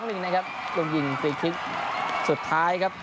ก็ยิงกันโบริ่งเลยนะครับ